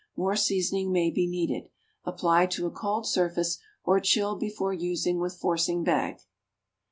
More seasoning may be needed. Apply to a cold surface, or chill before using with forcing bag.